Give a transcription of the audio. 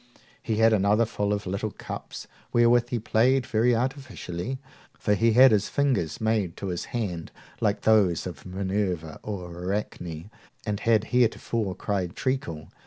He had another full of little cups, wherewith he played very artificially, for he had his fingers made to his hand, like those of Minerva or Arachne, and had heretofore cried treacle.